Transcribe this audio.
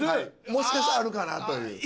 もしかしたらあるかなという。